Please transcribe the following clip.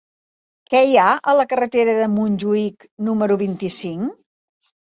Què hi ha a la carretera de Montjuïc número vint-i-cinc?